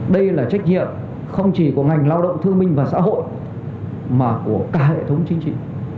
đây là trách nhiệm không chỉ của ngành lao động thương minh và xã hội mà của cả hệ thống chính trị